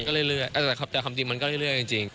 แต่ความจริงมันก็เรื่อยจริง